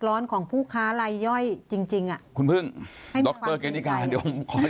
ร้อนของผู้ค้าไรย่อยจริงอ่ะคุณเพิ่งดรเกณฑ์นิกาขอ